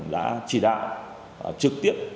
đã chỉ đạo trực tiếp